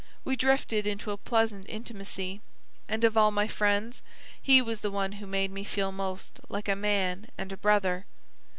We drifted into a pleasant intimacy, and of all my friends, he was the one who made me feel most like `a man and a brother.'